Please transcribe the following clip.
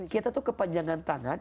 kita tuh kepanjangan tangan